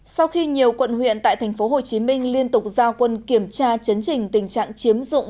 sau khi nhiều quận huyện tại tp hcm liên tục giao quân kiểm tra chấn trình tình trạng chiếm dụng